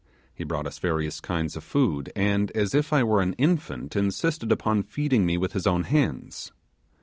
He brought out, various kinds of food; and, as if I were an infant, insisted upon feeding me with his own hands.